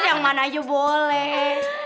yang mana aja boleh